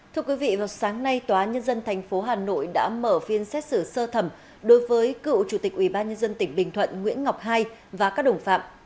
thưa quý vị vào sáng nay tòa nhân dân tp hà nội đã mở phiên xét xử sơ thẩm đối với cựu chủ tịch ubnd tỉnh bình thuận nguyễn ngọc hai và các đồng phạm